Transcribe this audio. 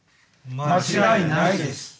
間違いないです。